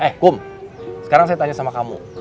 eh kum sekarang saya tanya sama kamu